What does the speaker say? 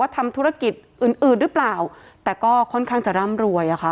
ทำธุรกิจอื่นอื่นหรือเปล่าแต่ก็ค่อนข้างจะร่ำรวยอะค่ะ